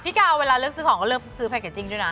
กาวเวลาเลือกซื้อของก็เลือกซื้อแพเกจจิ้งด้วยนะ